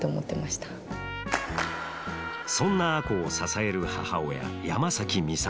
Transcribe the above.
そんな亜子を支える母親山崎美里。